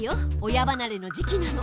親ばなれの時期なの。